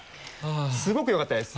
すごくよかったです。